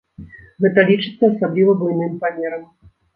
Гэта лічыцца асабліва буйным памерам.